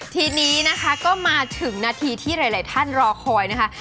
ทีนี้นะคะก็มาถึงนาทีที่หลายท่านรอคอยนะคะ